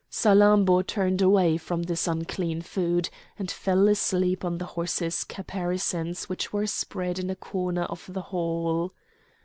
Salammbô turned away from this unclean food, and fell asleep on the horses' caparisons which were spread in a corner of the hall.